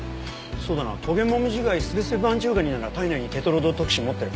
そうだなトゲモミジガイスベスベマンジュウガニなら体内にテトロドトキシンを持ってる。